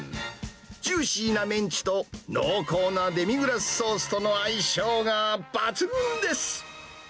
ジューシーなメンチと濃厚なデミグラスソースとの相性が抜群です。